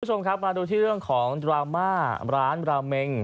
คุณผู้ชมครับมาดูที่เรื่องของดราม่าร้านราเมง